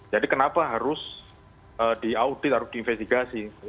jadi kenapa harus di audit harus diinvestigasi